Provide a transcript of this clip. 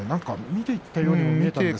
見ていったようにも見えましたが。